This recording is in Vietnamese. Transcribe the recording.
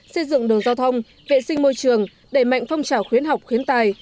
xây dựng đường giao thông vệ sinh môi trường đẩy mạnh phong trào khuyến học khuyến tài